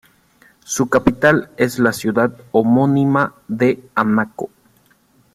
Su capital es la ciudad homónima de Anaco.